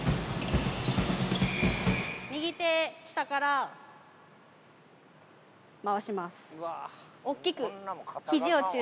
右手下から、回します。